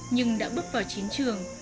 nhưng đã bước vào chiến trường